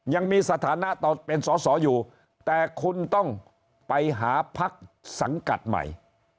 ยังมีสถานะตอนเป็นสอสออยู่แต่คุณต้องไปหาพักสังกัดใหม่